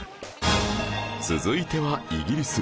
続いてはイギリス